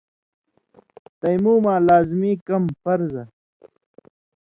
تَیمُوماں لازمی کمہۡ (فرضہ)